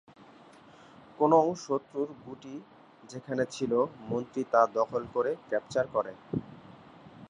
কোনও শত্রুর গুটি যেখানে ছিল মন্ত্রী তা দখল করে ক্যাপচার করে।